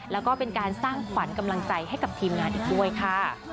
แล้วก็เป็นการสร้างขวัญกำลังใจให้กับทีมงานอีกด้วยค่ะ